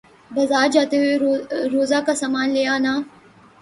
بازار جاتے ہوئے روزہ کا سامان لے آنا